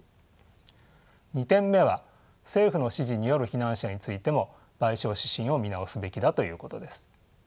２点目は政府の指示による避難者についても賠償指針を見直すべきだということです。